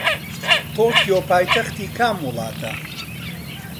تۆکیۆ پایتەختی کام وڵاتە؟